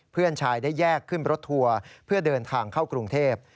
เพื่อนชายได้แยกขึ้นรถทัวร์เพื่อเดินทางเข้ากรุงเทพ